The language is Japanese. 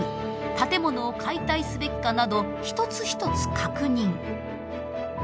建物を解体すべきかなど一つ一つ確認。